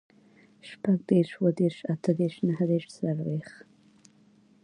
شپوږدېرس, اوهدېرس, اتهدېرس, نهدېرس, څلوېښت